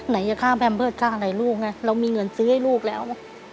ไหนจะข้ามแพมเตอร์ค่าอะไรลูกไงเรามีเงินซื้อให้ลูกแล้ว